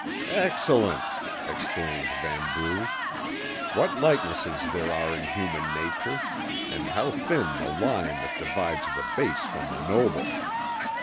"Excellent!" exclaimed Vanbrugh. "What likenesses there are in human nature, and how thin the line that divides the base from the noble!